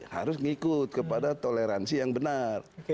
harus mengikut kepada toleransi yang benar